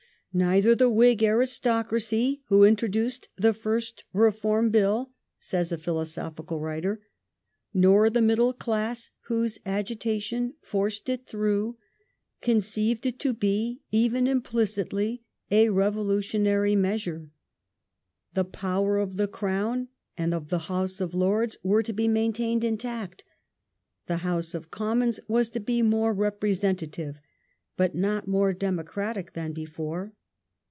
'* Neither the Whig aristocracy who introduced the first Reform Bill," says a philoso phical writer, "nor the middle class whose agitation forced it through, conceived, it to be even implicitly a revolutionary measure. The power of the Crown and of the House of Lords were to be main tained intact ; the House of Commons was to be more representa tive, but not more democratic than before.